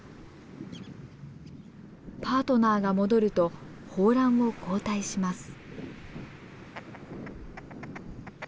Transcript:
パートナーが戻ると抱卵を交代します。